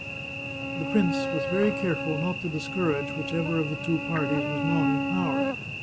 The prince was very careful not to discourage whichever of the two parties was not in power.